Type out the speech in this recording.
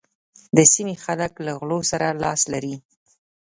د سيمې خلک له غلو سره لاس لري.